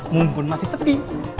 mumpung masih sepi